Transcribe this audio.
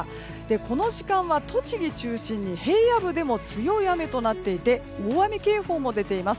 この時間は栃木中心に平野部でも強い雨となっていて大雨警報も出ています。